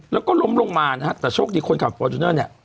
แล้วก็ล้มลงมานะฮะแต่โชคดีคนขับฟอร์จูเนอร์เนี่ย